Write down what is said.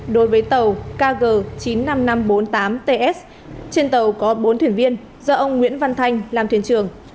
đối với tàu kg chín mươi năm nghìn năm trăm bốn mươi tám ts trên tàu có bốn thuyền viên do ông nguyễn văn thanh làm thuyền trưởng